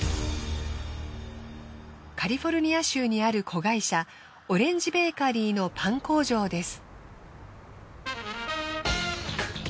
カリフォルニア州にある子会社オレンジベーカリーのパン工場です。